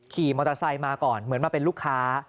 ขี่มอเตอร์ไซค์มาก่อนเหมือนมาเป็นลูกค้า